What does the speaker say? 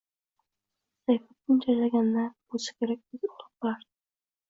Sayfiddin charchaganidan bo‘lsa kerak, tez uxlab qolardi